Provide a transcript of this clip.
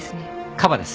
カバです。